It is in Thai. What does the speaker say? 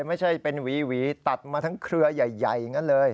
ไม่ใช่เป็นหวีตัดมาทั้งเครือใหญ่อย่างนั้นเลย